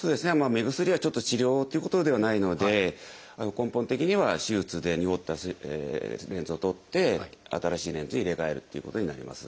目薬はちょっと治療ということではないので根本的には手術でにごったレンズを取って新しいレンズに入れ替えるということになります。